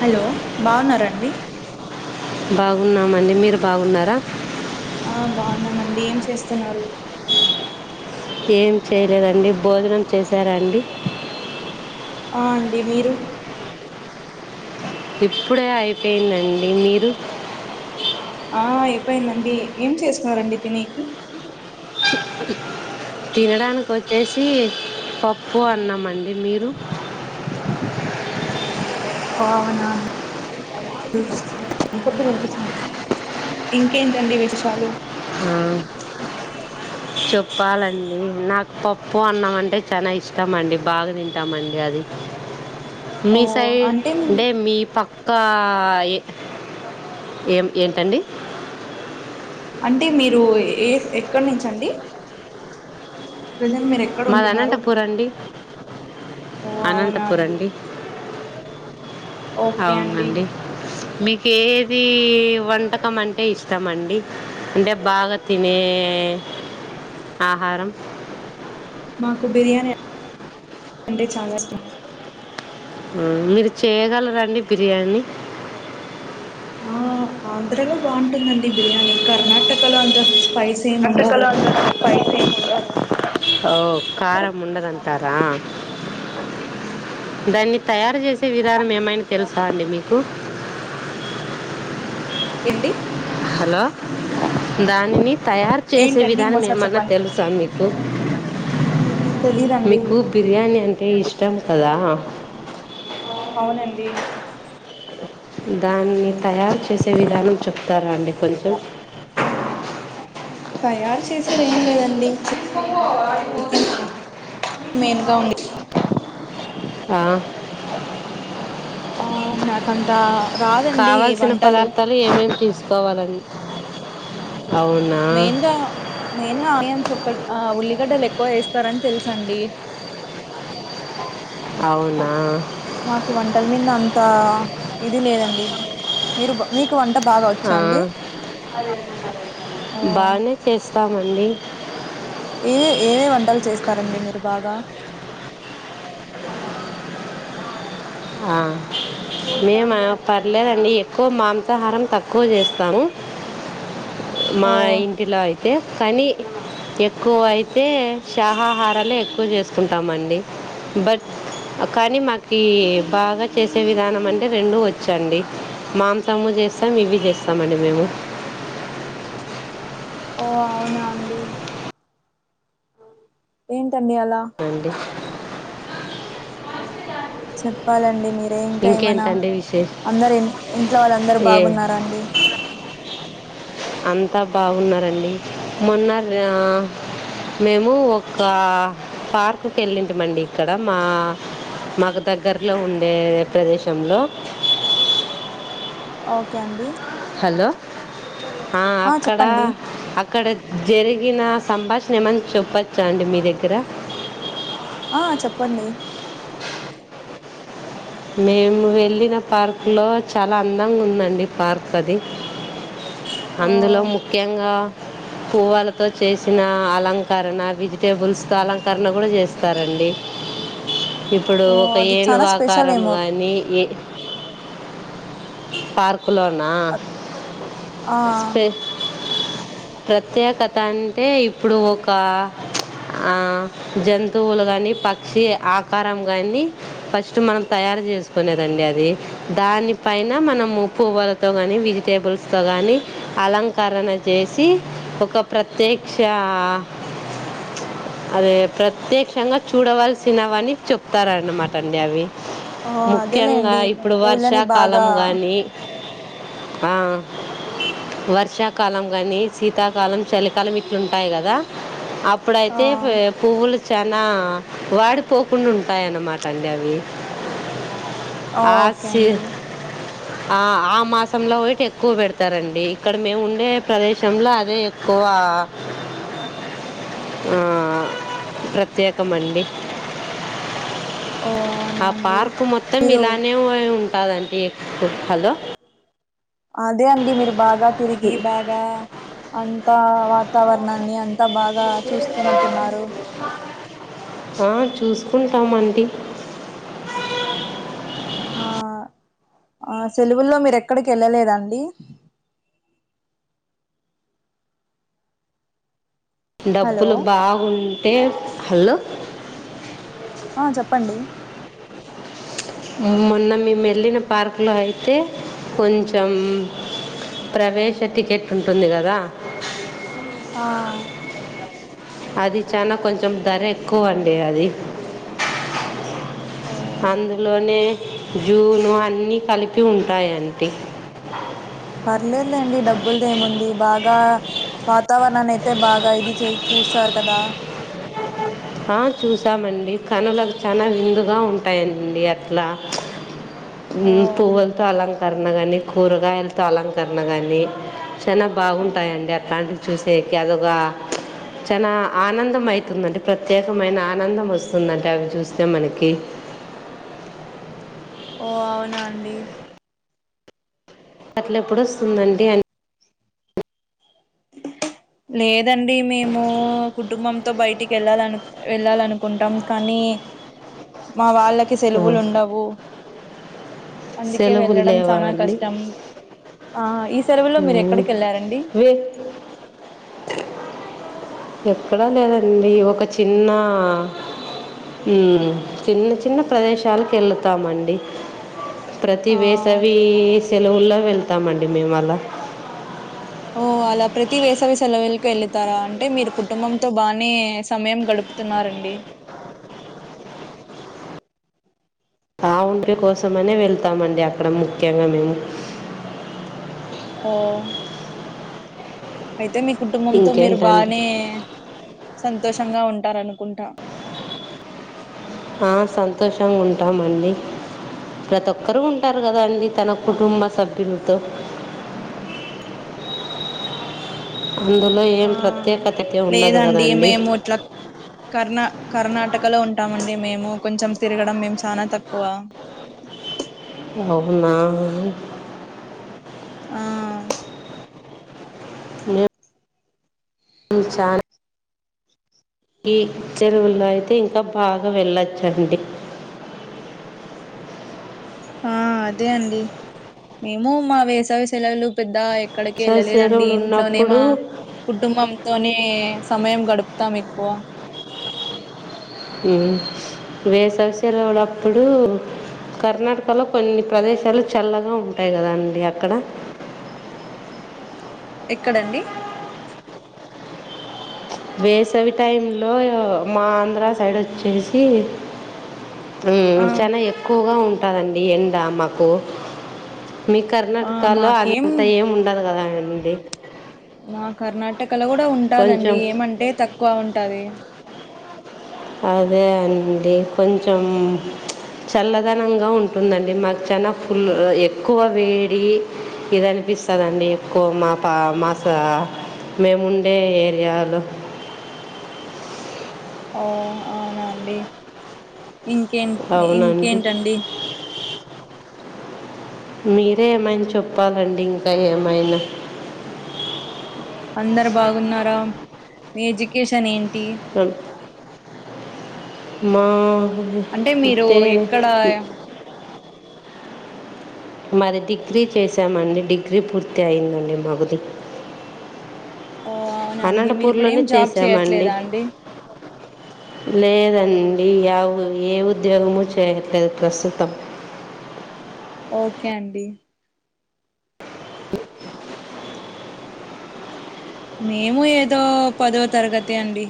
Hello బాగున్నారా అండి బాగున్నామండి మీరు బాగున్నారా ఆ బాగున్నామండి ఏం చేస్తున్నారు ఏం చేయలేదండి భోజనం చేసారాండి ఆ అండి మీరు ఇప్పుడే అయిపోయిందండి మీరు ఆ అయిపోయిందండి ఏం చేసుకున్నారండి తినెకి తినడానికి వచ్చేసి పప్పు అన్నమండి మీరు [inaudible] ఓ అవునా ఇంకేంటండి విశేషాలు ఆ [inaudible] చెప్పాలండి నాకు పప్పు అన్నం అంటే చానా ఇష్టం అండి బాగా తింటామండి అది [inaudible] మీ సైడ్ అంటే మీ పక్కా ఎ ఏం ఏంటండి అంటే మీరు ఏ ఎక్కడి నుంచండి ప్రజెంట్ మీరు ఎక్కడ మాది ఉంటున్నారు అనంతపూర్ అండి ఓ అవునా అండి ఓకే అండి అవునండి మీకు ఏది వంటకం అంటే ఇష్టం అండి అంటే బాగా తినే ఏ ఆహారం మాకు బిర్యానీ అంటే చాలా ఇష్టం ఉమ్ మీరు చేయ్యగలరాండి బిర్యానీ? ఆ ఆంధ్రలో బావుంటుందండి బిర్యానీ కర్ణాటకలో అంత స్పైస్ ఏమి అట్టకాల ఉండదు అంత పైసేముంద అ ఓ కారం ముండదంటారా దాన్ని తయారు చేసే విధానం ఏమైనా తెలుసా అండి మీకు? ఏంటి హలో దానిని తయారు చేసే ఏంటండి విధానం ఇంకోసారి ఏమన్నా చెప్పండి తెలుసా మీకు? తెలీదండి మీకు బిర్యానీ అంటే ఇష్టం కదా అవునండి దాన్ని తయారు చేసే విధానం చెప్తారా అండి కొంచెం? తయారు చేసేది ఏం లేదండి చి మెయిన్గా ఉంది ఆ ఆ నాకంతా రాదండి ఈ కావలసిన వంటలు పదార్థాలు ఏమేమి తీసుకోవాలండి అవునా మెయిన్గా మేయిన్గా ఆనియన్స్ ఆ ఉల్లిగడ్డలు ఎక్కువ వేస్తారని తెలుసండి. అవునా మాకు ఇ వంటల మీద అంత ఇది లేదండి మీరు బ మీకు వంట బాగా వచ్చా ఆ అండి ఆ బానే చేస్తామండి. ఏ ఏవే వంటలు చేస్తారండి మీరు బాగా? ఆ మేమ పర్లేదండి ఎక్కువ మాంసాహారం తక్కువ చేస్తాము. ఓ మా ఇంటిలో అయితే కానీ ఎక్కువ అయితే శాహాహారాలే ఎక్కువ చేసుకుంటామండి. బట్ కానీ మాకి బాగా చేసే విధానం అంటే రెండు వచ్చండి మాంసము చేస్తాము, ఇవి చేస్తామండి మేము. ఓ అవునా అండి ఏం తన్నియాల అండి చెప్పాలండి మీరు అంటే ఇంకా ఏమైనా ఇంకేంటండి విశేష అందరు ఇన్ ఇంట్లో వాళ్ళందరు ఏ బాగున్నారా అండి? అంతా బావున్నరండి మొన్న జ్ఞా మేము ఒక పార్క్కి వెళ్ళింటిమండి ఇక్కడ మా మాకు దగ్గరలో ఉండే ప్రదేశంలో ఓకే అండి హలో ఆ అక్కడ అక్ అక్కడ జరిగిన సంభాషణ ఏమన్నా చెప్పచ్చా అండి మీ దగ్గర? ఆ చెప్పండి మేము వెళ్ళిన పార్క్ లో చాలా అందంగా ఉందండి పార్క్ అది. ఓ అందులో ముఖ్యంగా పువ్వాలతో చేసిన అలంకరణ వెజిటేబుల్స్తో అలంకరణ కూడా చేస్తారండి అ ఇప్పుడు ఒక ఏనుగాక్ కారం గాని ఏ పార్ హలో అన్నా ఆ స్పె ప్రత్యేకత అంటే ఇప్పుడు ఒక ఆ జంతువులు గానీ పక్షి ఆకారం గాని పస్ ట్ మనం తయారు చేసుకునేదండి అది దాని పైన మనం పువ్వాలతో గాని వెజిటేబుల్ స్తోగానీ అలంకరణ చేసి ఒక ప్రత్యక్ష అదే ప్రత్యక్షంగా చూడవలసినవని చెప్తారన్నమాట అండి అవి ఓ ముఖ్యంగా అదేలేండి ఇప్పుడు పూలని బాగా వర్షాకాలం గానీ ఆ వర్షాకాలం గానీ శీతాకాలం చలికాలం ఇట్లుంటాయి గదా ఆ అప్పుడైతే పువ్వులు చానా వాడిపోకుండా ఉంటాయిన్నమాట అండి అవి అ ఓకే సీ అండి ఆ ఆ మాసంలో వెయిట్ ఎక్కువ పెడతారండి ఇక్కడ మేము ఉండే ప్రదేశంలో అదే ఎక్కువ వా ఆ ప్రత్యేకమండి ఓ అవునా ఆ అండి పార్క్ మొత్తం మీరు ఇలానే ఉంటాదంటి హలో అదే అండి మీరు బాగా తిరిగి బాగా అంతా వాతావరణాన్ని అం త బాగా చూస్తున్నట్టున్నారు ఆ చూసుకుంటామండి ఆ ఆ సెలవుల్లో మీరు ఎక్కడికి వెళ్ళలేదండి హలో డబ్బులు బాగుంటే హలో ఆ చెప్పండి మొన్న మేమెళ్ళిన పార్క్లో అయితే కొంచెం ప్రవేశ టికెట్ ఉంటుంది గదా ఆ అది చానా కొంచెం ధర ఎక్కువండి అది ఓ అందులోనే జూను అన్ని కలిప్ పర్లేద్లెండి డబ్బుల్దేముంది బాగా వాతావరణన్ని అయితే బాగా ఇది చూస్తారు కదా చూసామండి కనులకు చానా నిండుగా ఉంటాయండి అట్లా ఓ మ్ పువ్వుల్తో అలంక్ కరణ కగాని కూరగాయలతో అలంకరణ గాని చానా బాగుంటాయండి అట్లాంటివి చూసే అదొక చానా ఆనందం అయితుందంటే ప్రత్యేకమైన ఆనందం ఆనందం వస్తుందంటే అవి చూస్తె మనకి ఓ అవునా అండి అట్ల ఎప్పుడొస్తుందండి అని [unintelligible] లేదండి మేము కుటుంబంతో బయటికెళ్ళాలను వెళ్ళాలనుకుంటాం కానీ నీ మా వాళ్ళకి ఆ, సెలువులు ఉండవు అందుకే సెలవులు వెళ్ళడం లేవా చానా అండి కష్టం ఆ ఈ సెలవులో మీరు ఉమ్, ఎక్కడికి వెళ్లారండి వే- ఎక్కడా లేదండి ఒక చిన్న ఉ చిన్న చిన్న ప్రదేశాలకు వెళతాండి ప్రతి ఆ వేసవి సే సెలవుల్లో వెళ్తామండి మేము అలా ఓ అలా ప్రతి వేసవి సెలవుకి వెళతారా అంటే మీరు కుటుంబంతో బానే సమయం గడుపుతున్నారు రండి ఆ ఉండ్రి కోసమనే వెళ్తామండి అక్కడ ముఖ్యంగా మేము ఓ అయితే మీ కుటుంబంతో మీరు ఇంకేంటండి బానే సంతోష తంగా ఉంటారనుకుంట ఆ సంతోషంగా ఉంటామండి ప్రతి ఒక్కరు ఉంటారు కద అండి తన ఆ కుటుంబ సభ్యలుతో అందులో ఆ ఏం ప్రత్యేకత అయితే ఉండదు లేదండి కదండి మేము ఇట్లా కర్ణ కర్ణాటకలో ఉంటామండి మేము కొంచెం తిరగడం మేము చానా తక్కువ అవునా ఆ ఇ చానా ఈ చెరువుల్లో అయితే ఇంకా బాగా వెళ్ళచ్చండి ఆ అదే అండి మేము మా వేసవి సెలవులు పెద్ద ఎక్కడికి వేసవి ఎళ్ళలేదండి సెలవులు ఇంట్లోనే ఉన్నప్పుడు మా కుటుంబంతోనే సమయం గడుప్ త్తం ఎక్కువ వేసవి సెలవలప్పుడు కర్ణాటకలో కొన్ని ప్రదేశాలు చల్లగా ఉంటాయి కదా అండి అక్కడ ఎక్కడండి వేసవి టైంలో మా ఆంధ్ర సైడ్ వచ్చేసి ఉ ఆ చానా ఎక్కువగా ఉంటాదండి ఎండ మాకు మీ ఆ కర్ణాటకలో మాకేం అంత ఏమి ఉండదు కదా అండి క్కలో కూడా ఉంటాదండి కొంచెం ఏమంటే తక్కువ ఉంటాది అదే అండి కొంచెం చల్లదనంగా ఉంటుందండి మాకు చానా ఫుల్ ఎక్కువ వేడి ఇదాని పిస్తదండి ఎక్కువ మా పా మా స మేముండే ఏరియాలో ఓ అవునా అండి ఇంకే అవునండి ఇంకేంటండి మీరే ఏమైనా చెప్పాలండి ఇంకా ఏమైన అందరు బాగున్నారా మీ ఎడ్యుకేషన్ ఏం అ మా అంటే మీరు తే ఎక్కడ మాది డిగ్రీ చేశామండి డిగ్రీ పూర్తి అయిందండి మబుధి ఓ అవునా అండి మీరు ఇప్పుడు ఏం అనంతపూర్లోనే జాబ్ చేశామండి చేయట్లేదా అండి లేదండి య ఏ ఉద్యోగమూ చేయట్లేదు ప్రస్తుతం ఓకే అండి మేము ఏదో పదో తరగతి అండి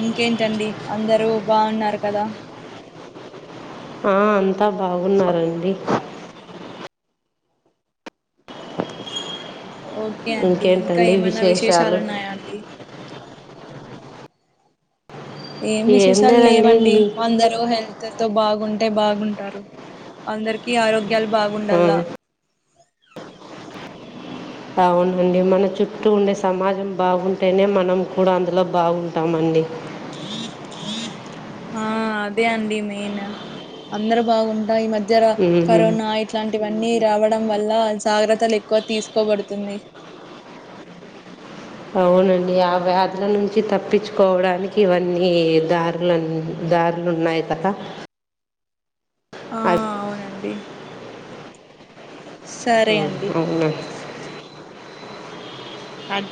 ఇంకేంటండి అందరూ బాగున్నారు కదా ఆ అంతా బాగున్నారండి ఓకే అండి ఇంకా ఏమనా విశేషాలు ఉన్నాయా అండి ఏం విశేషాలు లేదండి లేవండి మీ అందరు హెల్త్ తో బాగుం టే బాగుంటారు అందరికి ఆరోగ్యాలు ఆ, బాగుండల్లా అవునండి మన చుట్టూ ఉండే సమాజం బాగుంటేనే మనం కూడా అందులో బాగుంటామండి హ హ ఆ అదే అండి మెయిన్ అందరు బాగుంటా ఈ మ జరా ఉమ్. కరోనా ఇట్లాంటివన్నీ రావ డం వల్ల జాగ్రత్తలు ఎక్కువ తీసుకోబడుతుంది అవునండి ఆ వ్యాధుల నుంచి తప్పించుకోవడానికి ఇవన్నీ దారుల దారులున్నాయి కథ ఆ అవునండి సరే అండి అవును అవునండి. అద్